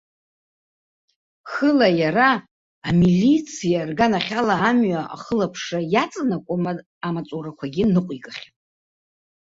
Хыла иара, амилициа рганахьала амҩа ахылаԥшра иаҵанакуа маҵурақәакгьы ныҟәигахьан.